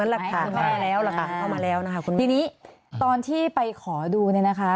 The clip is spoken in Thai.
เอามาแล้วนะคะทีนี้ตอนที่ไปขอดูเนี่ยนะคะ